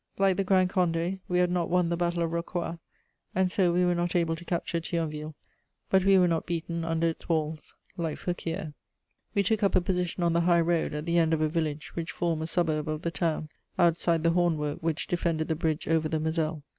Like the Grand Condé, we had not won the Battle of Rocroi, and so we were not able to capture Thionville; but we were not beaten under its walls, like Feuquières. We took up a position on the high road, at the end of a village which formed a suburb of the town, outside the horn work which defended the bridge over the Moselle.